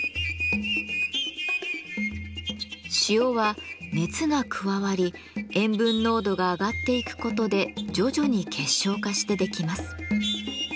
塩は熱が加わり塩分濃度が上がっていくことで徐々に結晶化してできます。